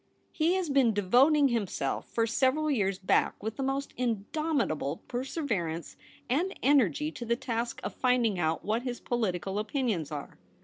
' He has been devoting himself for several years back with the most indomitable per severance and energy to the task of finding out what his political opinions are.'